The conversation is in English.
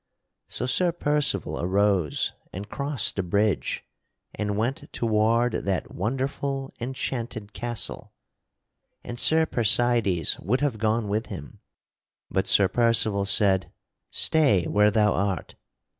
So Sir Percival arose and crossed the bridge and went toward that wonderful enchanted castle; and Sir Percydes would have gone with him, but Sir Percival said: "Stay where thou art."